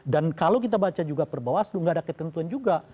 dan kalau kita baca juga perbawah seluruh tidak ada ketentuan juga